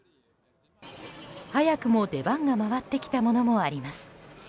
早くも出番が回ってきたものもあります。